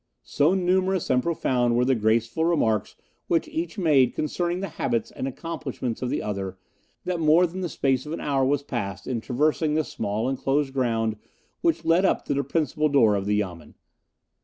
So numerous and profound were the graceful remarks which each made concerning the habits and accomplishments of the other that more than the space of an hour was passed in traversing the small enclosed ground which led up to the principal door of the Yamen.